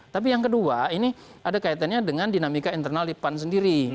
tapi yang kedua ini ada kaitannya dengan dinamika internal di pan sendiri